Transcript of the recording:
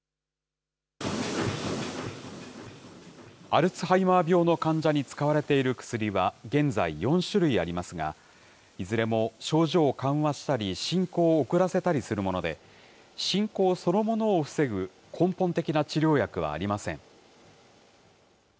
アルツハイマー病の患者に使われている薬は現在４種類ありますが、いずれも症状を緩和したり、進行を遅らせたりするもので、進行そのものを防ぐ根本的な治療薬はありません。